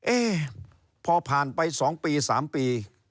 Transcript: เอ๊พอผ่านไปสองปีสามปี